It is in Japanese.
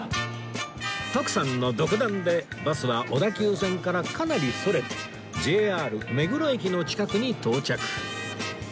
徳さんの独断でバスは小田急線からかなりそれて ＪＲ 目黒駅の近くに到着